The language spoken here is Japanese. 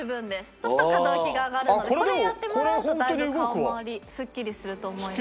そうすると可動域が上がるのでこれをやってもらうとだいぶ顔回りスッキリすると思います。